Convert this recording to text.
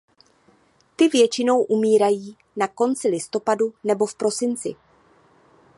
Ty většinou umírají na konci listopadu nebo v prosinci.